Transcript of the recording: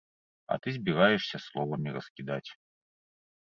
А ты збіраешся словамі раскідаць.